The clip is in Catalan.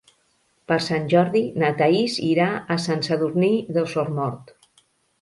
Per Sant Jordi na Thaís irà a Sant Sadurní d'Osormort.